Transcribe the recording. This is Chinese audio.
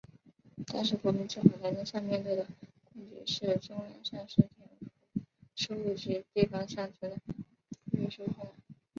当时国民政府财政上面对的困局是中央丧失田赋收入及地方上存在着税收混乱。